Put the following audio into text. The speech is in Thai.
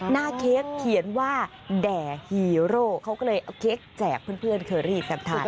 เค้กเขียนว่าแด่ฮีโร่เขาก็เลยเอาเค้กแจกเพื่อนเคอรี่กันทาน